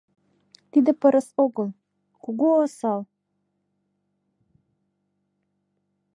Тиде пырыс огыл, кугу осал!»